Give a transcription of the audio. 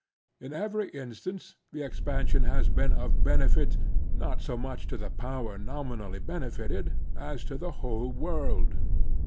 In every instance the expansion has been of benefit, not so much to the power nominally benefited, as to the whole world.